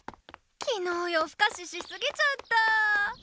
きのうよふかししすぎちゃった。